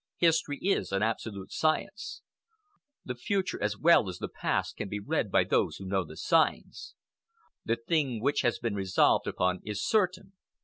History is an absolute science. The future as well as the past can be read by those who know the signs. The thing which has been resolved upon is certain.